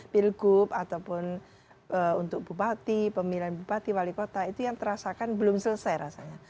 pilgub ataupun untuk bupati pemilihan bupati wali kota itu yang terasakan belum selesai rasanya